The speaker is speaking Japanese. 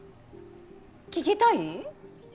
聞きたい？